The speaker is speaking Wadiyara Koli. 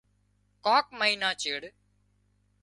ڪانڪ مئينا چيڙ